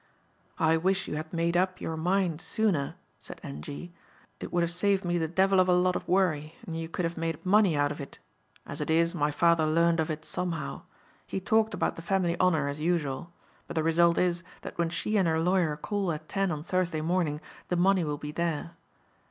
"I wish you had made up your mind sooner," said "N.G." "It would have saved me the devil of a lot of worry and you could have made money out of it. As it is my father learned of it somehow. He talked about the family honor as usual. But the result is that when she and her lawyer call at ten on Thursday morning the money will be there.